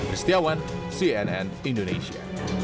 ristiawan cnn indonesia